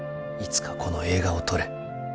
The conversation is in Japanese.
「いつかこの映画を撮れ。